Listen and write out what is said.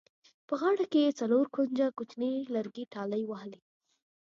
په غاړه کې یې څلور کونجه کوچیني لرګي ټالۍ وهلې.